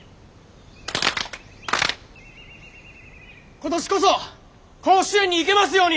今年こそ甲子園に行けますように！